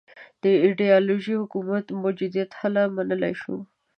د ایدیالو حکومتونو موجودیت هله منلای شو.